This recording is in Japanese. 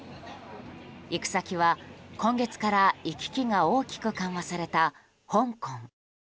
行く先は今月から行き来が大きく緩和された香港。